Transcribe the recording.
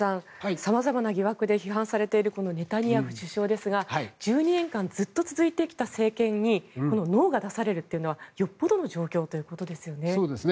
様々なことで批判されているこのネタニヤフ首相ですが１２年間ずっと続いてきた政権にこのノーが出されるというのはよっぽどの状況ですよね。